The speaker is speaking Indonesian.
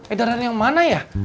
edaran yang mana ya